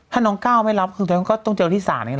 ถ้าน้องก้าวไม่รับคุณแม่ก็ต้องเจอกับที่ศาลเนี่ยเหรอ